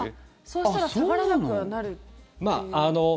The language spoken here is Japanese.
そうしたら下がらなくはなるという？